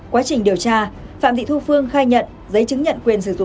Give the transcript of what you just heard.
quá trình điều tra phạm thị thu phương khai nhận giấy chứng nhận quyền sử dụng